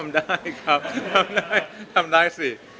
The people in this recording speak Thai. ทำได้ครับทำได้สิ